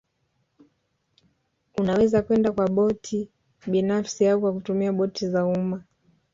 Unaweza kwenda kwa boti binafsi au kwa kutumia boti za umma